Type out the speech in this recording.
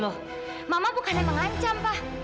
loh mama bukan yang mengancam pa